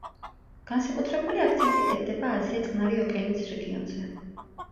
განსაკუთრებული აქცენტი კეთდება აზია-წყნარი ოკეანის რეგიონზე.